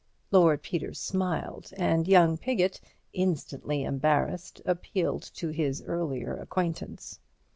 Lord Peter smiled, and young Piggott, instantly embarrassed, appealed to his earlier acquaintance.